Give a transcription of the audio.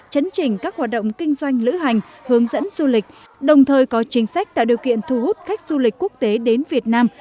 chấn trình các hoạt động kinh doanh lữ hành hướng dẫn du lịch đồng thời có chính sách tạo điều kiện thu hút khách du lịch quốc tế đến việt nam